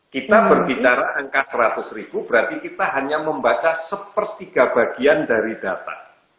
kita berbicara angka seratus ribu berarti kita hanya membaca sepertiga bagian dari data